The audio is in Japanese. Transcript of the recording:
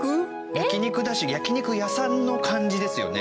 焼き肉だし焼き肉屋さんの感じですよね。